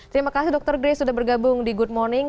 terima kasih dokter grace sudah bergabung di good morning